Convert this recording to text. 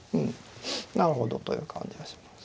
なるほどという感じがします。